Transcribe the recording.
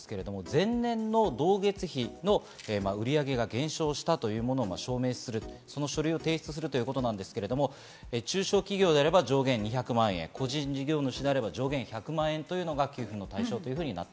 前年の同月比の売上が減少したというものを証明するその書類を提出するということですが、中小企業であれば上限２００万円、個人事業主であれば上限１００万円が給付の対象です。